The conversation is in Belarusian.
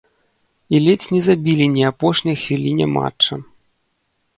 І ледзь не забілі не апошняй хвіліне матча.